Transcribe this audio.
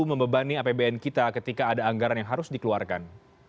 membebani apbn kita ketika ada anggaran yang harus dikeluarkan